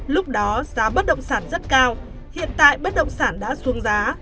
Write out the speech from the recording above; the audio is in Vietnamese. lúc đó giá bất động sản rất cao hiện tại bất động sản đã xuống giá